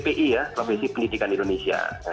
profesi pendidikan indonesia